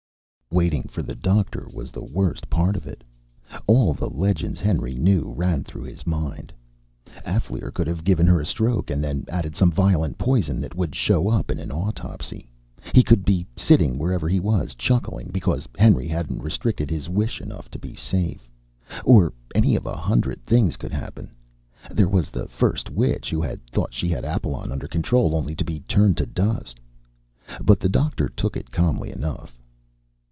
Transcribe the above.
Waiting for the doctor was the worst part of it. All the legends Henry knew ran through his mind. Alféar could have given her a stroke and then added some violent poison that would show up in an autopsy. He could be sitting wherever he was, chuckling because Henry hadn't restricted his wish enough to be safe. Or any of a hundred things could happen. There was the first witch, who had thought she had Apalon under control, only to be turned to dust. But the doctor took it calmly enough.